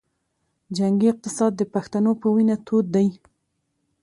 جنګي اقتصاد د پښتنو پۀ وینه تود دے